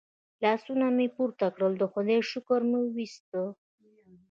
لاسونه مې پورته کړل د خدای شکر مو وایست.